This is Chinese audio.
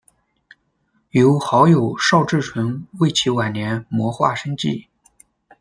由好友邵志纯为其晚年摹划生计。